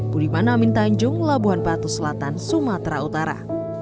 budiman amin tanjung labuhan batu selatan sumatera utara